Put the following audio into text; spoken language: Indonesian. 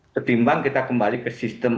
ketimbang kita kembali ke sistem